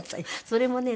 それもね